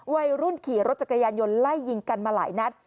วัยรุ่นขี่รถจักรยานยนต์ไล่ยิงกันมาหลายนัด